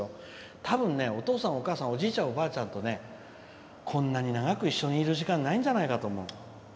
たぶん、お父さん、お母さんおじいちゃん、おばあちゃんとねこんなに長く一緒にいる時間ないんじゃないかと思う。